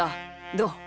どう？